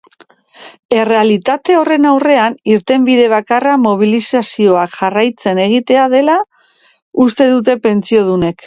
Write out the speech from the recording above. Errealitate horren aurrean, irtenbide bakarra mobilizazioak jarraitzen egitea dela uste dute pentsiodunek.